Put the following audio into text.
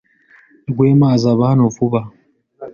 "Rwema azaba hano vuba